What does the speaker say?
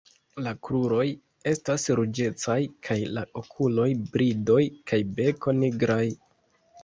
La kruroj estas ruĝecaj kaj la okuloj, bridoj kaj beko nigraj.